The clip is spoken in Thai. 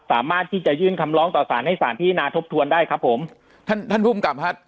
สามารถที่จะยื่นคำร้องต่อสารให้สารพิจารณาทบทวนได้ครับผมท่านท่านภูมิกับครับ